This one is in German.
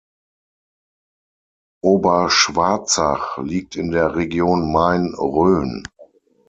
Oberschwarzach liegt in der Region Main-Rhön.